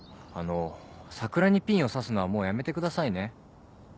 あの桜にピンをさすのはもうやめてくださいね。